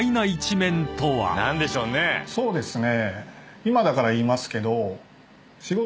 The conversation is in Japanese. そうですね。